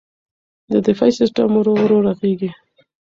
دفاعي سیستم ورو ورو رغېږي.